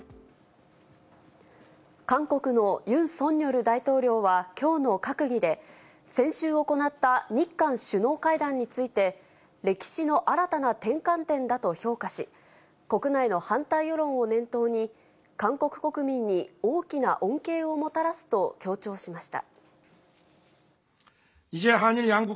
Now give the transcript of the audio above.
韓国のユン・ソンニョル大統領はきょうの閣議で、先週行った日韓首脳会談について、歴史の新たな転換点だと評価し、国内の反対世論を念頭に、韓国国民に大きな恩恵をもたらすと強調しました。